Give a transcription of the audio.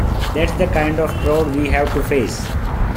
That's the kind of crowd we have to face.